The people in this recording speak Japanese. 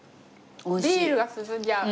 ビールが進んじゃう。